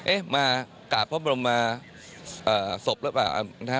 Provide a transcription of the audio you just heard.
เอ๊ะมากากพระบรมศพหรือเปล่า